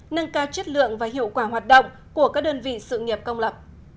nâng cao chất lượng và hiệu quả hoạt động của các đơn vị sự nghiệp công lập